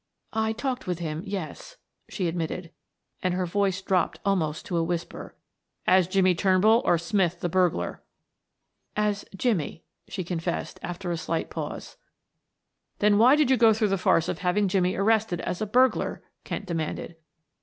"I talked with him, yes," she admitted, and her voice dropped almost to a whisper. "As Jimmie Turnbull or Smith the burglar?" "As Jimmie" she confessed, after a slight pause. "Then why did you go through the farce of having Jimmie arrested as a burglar?" Kent demanded.